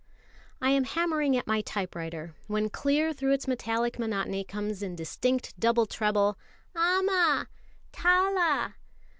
I am hammering at my typewriter, when clear through its metallic monotony comes in distinct double treble, "Amma! Tala!"